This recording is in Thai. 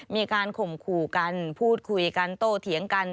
มีการข่มขู่กันพูดคุยกันโต้เถียงกัน